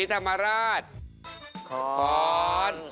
เสาคำยันอาวุธิ